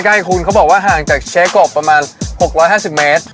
ให้คุณเขาบอกว่าห่างจากเชฟกบประมาณ๖๕๐เมตร